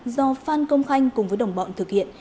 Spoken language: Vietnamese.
do phan công khanh cùng với đồng bọn thực hiện